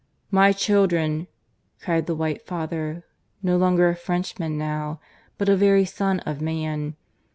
"My children," cried the White Father, no longer a Frenchman now, but a very Son of Man.